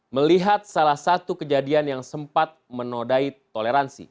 melihat salah satu kejadian yang sempat menodai toleransi